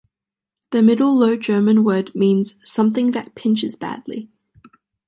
The Middle Low German word means "something that pinches badly".